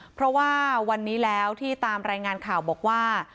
เพราะว่าวันนี้แล้วที่ตามรายงานข่าวบอกว่า